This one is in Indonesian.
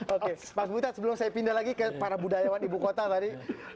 oke mas butet sebelum saya pindah lagi ke para budayawan ibukota tadi